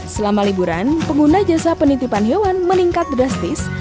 selama liburan pengguna jasa penitipan hewan meningkat drastis